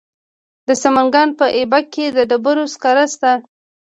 د سمنګان په ایبک کې د ډبرو سکاره شته.